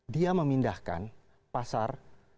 dia memindahkan pasar